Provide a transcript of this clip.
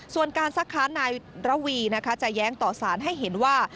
ส่วนการสักครั้งนายระวีจะแย้งต่อสารให้เห็นว่า